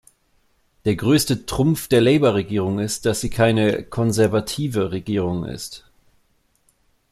Der größte Trumpf der Labour-Regierung ist, dass sie keine "konservative" Regierung ist.